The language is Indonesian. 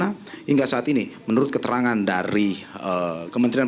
saya mungkin sedikit terkait dengan apa yang sudah diberikan